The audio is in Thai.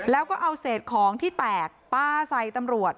แล้วก็เอาเศษของที่แตกปลาใส่ตำรวจ